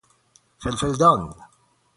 فلفل دان